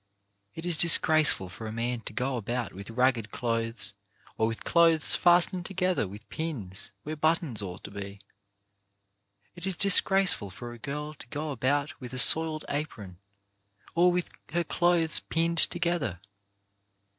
It is disgraceful for a man to go about with ragged clothes or with clothes fastened to gether with pins where buttons ought to be. It is disgraceful for a girl to go about with a soiled apron, or with her clothes pinned together.